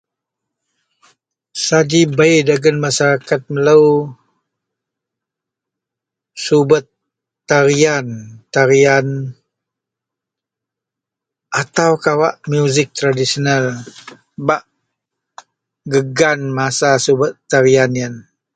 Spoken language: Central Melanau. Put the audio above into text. Saji bei dagen masaraket melo tarian atau kawak musik traditional.